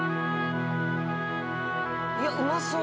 いやうまそう。